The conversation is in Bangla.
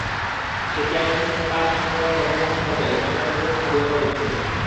সে কিয়ামতের দিনে তার সম্প্রদায়ের অগ্রভাগে থাকবে এবং সে তাদেরকে নিয়ে আগুনে প্রবেশ করবে।